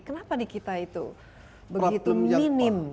kenapa di kita itu begitu minim